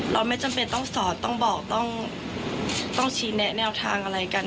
เราไม่จำเป็นต้องสอนต้องบอกต้องชี้แนะแนวทางอะไรกัน